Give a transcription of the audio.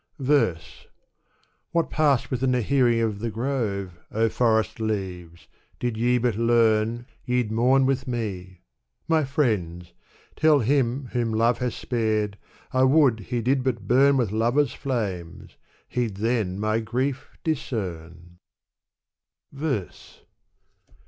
Verse^ *' What passed within my hearing ^/ the grave ^ O forest leaves! did ye but kam^ Ye^d mourn with me. My friends ! tell kimwh^m lave Has spared, I would he did but bum With iaifer^s flames ; he'd then my grief diseem" Verse.